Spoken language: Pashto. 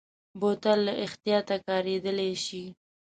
بوتل له احتیاطه کارېدلی شي.